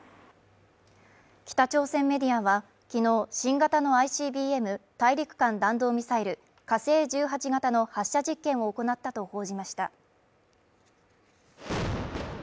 北朝鮮メディアは、昨日新型のＩＣＢＭ＝大陸間弾道ミサイル火星１８型の発射実験を行ったと報じました。